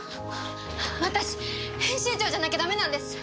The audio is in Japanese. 私編集長じゃなきゃダメなんです。